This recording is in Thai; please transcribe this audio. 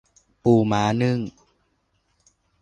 ปูม้านึ่ง